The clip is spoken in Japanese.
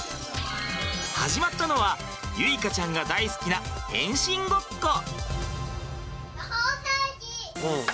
始まったのは結花ちゃんが大好きな変身ごっこ。